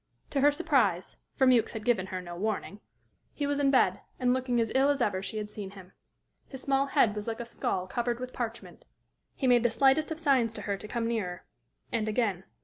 To her surprise (for Mewks had given her no warning), he was in bed, and looking as ill as ever she had seen him. His small head was like a skull covered with parchment. He made the slightest of signs to her to come nearer and again.